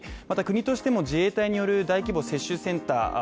また国としても自衛隊による大規模接種センター